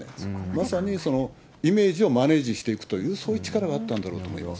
まさにイメージをマネージしていくという、そういう力があったんだと思います。